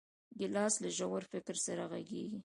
ګیلاس له ژور فکر سره غږېږي.